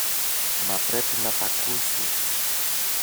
Μα πρέπει να τ' ακούσεις.